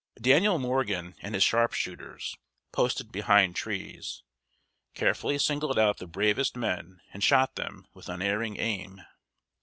Daniel Morgan and his sharpshooters, posted behind trees, carefully singled out the bravest men, and shot them with unerring aim.